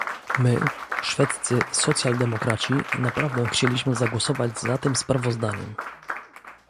My, szwedzcy socjaldemokraci, naprawdę chcieliśmy zagłosować za tym sprawozdaniem